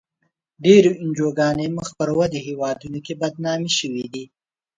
ډېری انجوګانې په مخ پر ودې هېوادونو کې بدنامې شوې.